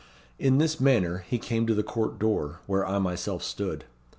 In this manner he came to the court door, where I myself stood.